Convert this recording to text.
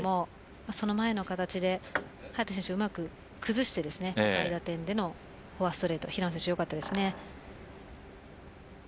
その前の形で早田選手がうまく崩して高い打点でのストレート平野選手よかったです。